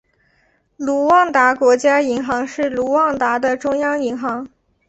卢旺达国家银行是卢旺达的中央银行。